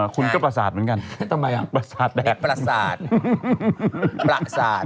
คุณก็ปราศาสตร์เหมือนกันทำไมอ่ะปราศาสตร์แดดมีปราศาสตร์ปราศาสตร์